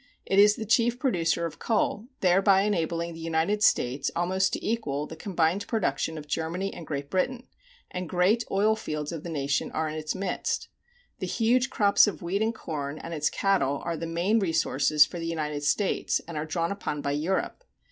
It is the chief producer of coal, thereby enabling the United States almost to equal the combined production of Germany and Great Britain; and great oil fields of the nation are in its midst. Its huge crops of wheat and corn and its cattle are the main resources for the United States and are drawn upon by Europe.